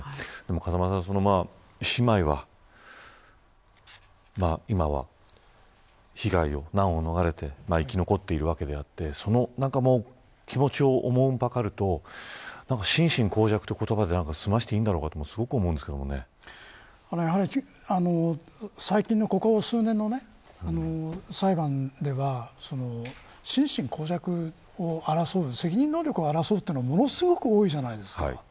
風間さん、その姉妹は今は被害を難を逃れて生き残っているわけであってその気持ちを慮ると心神耗弱という言葉で済ましていいんだろうかと最近の、ここ数年の裁判では、心神耗弱を争う責任能力を争うというのがものすごく多いじゃないですか。